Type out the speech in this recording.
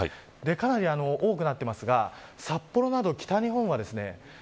かなり多くなっていますが札幌など北日本はですね